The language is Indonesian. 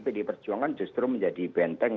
pdi perjuangan justru menjadi benteng